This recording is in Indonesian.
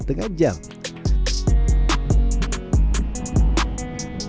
dan martabak kan